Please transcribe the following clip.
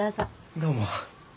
どうも。